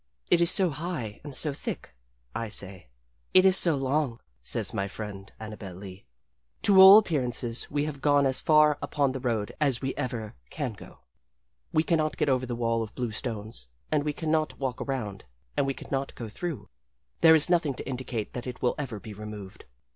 "It is so high and so thick," I say. "It is so long," says my friend Annabel Lee. To all appearances we have gone as far upon the road as we ever can go. We can not get over the wall of blue stones and we can not walk round and we can not go through. There is nothing to indicate that it will ever be removed.